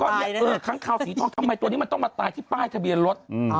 ค้างคาวสีทองทำไมตัวนี้มันต้องมาตายที่ป้ายทะเบียนรถ